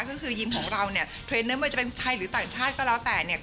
ก็คือยิมของเราเนี่ยเทรนเนอร์ไม่ว่าจะเป็นไทยหรือต่างชาติก็แล้วแต่เนี่ย